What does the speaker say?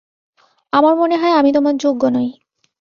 আমার মনে হয় আমি তোমার যোগ্য নই।